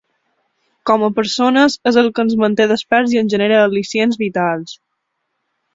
Com a persones és el que ens manté desperts i ens genera al·licients vitals.